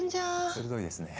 鋭いですね。